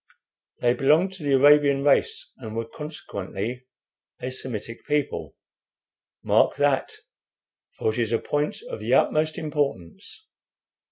They belonged to the Arabian race, and were consequently a Semitic people. Mark that, for it is a point of the utmost importance.